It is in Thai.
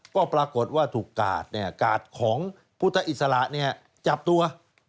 ก็ปรากฏว่าถูกกาดเนี่ยกาดของพุทธอิสระจับตัว